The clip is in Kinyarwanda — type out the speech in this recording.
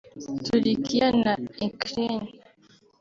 Turikiya na Ukraine